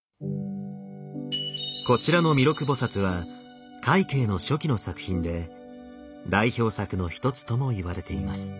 こちらの弥勒菩は快慶の初期の作品で代表作の一つともいわれています。